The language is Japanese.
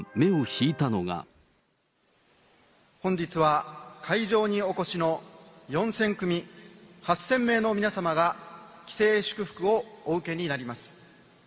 本日は、会場にお越しの４０００組８０００名の皆様が、既成祝福をお受けになります。